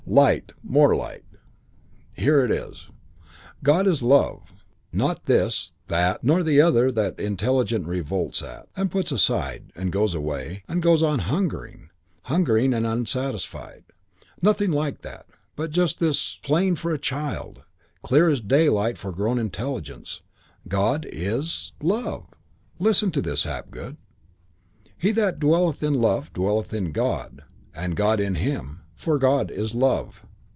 Light, more light. Here it is: God is love. Not this, that, nor the other that the intelligence revolts at, and puts aside, and goes away, and goes on hungering, hungering and unsatisfied; nothing like that; but just this: plain for a child, clear as daylight for grown intelligence: God is love. Listen to this, Hapgood: "He that dwelleth in love dwelleth in God and God in him; for God is love."